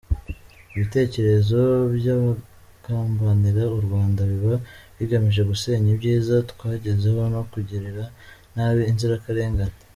Ibitekerezo by’ abagambanira u Rwanda biba bigamije gusenya ibyiza twagezeho no kugirira nabi inzirakarengane.